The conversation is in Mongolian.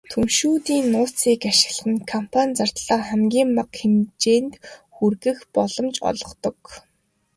Түншүүдийн нууцыг ашиглах нь компани зардлаа хамгийн бага хэмжээнд хүргэх боломж олгодог.